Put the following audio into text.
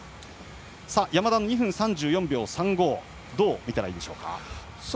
山田の２分３４秒３５どうみたらいいんでしょうか。